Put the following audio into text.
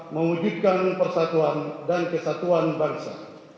mewujudkan persatuan dan kesatuan bangsa